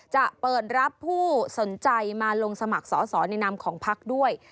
จะเปิดรับผู้สนใจมาลงสมัครสอสอในนามของพักด้วย